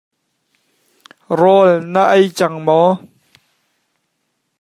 Rawl na ei cang maw?